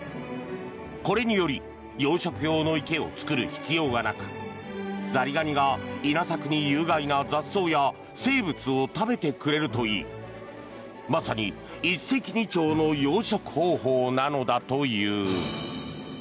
これにより養殖用の池を作る必要がなくザリガニが稲作に有害な雑草や生物を食べてくれるといいまさに一石二鳥の養殖方法なのだという。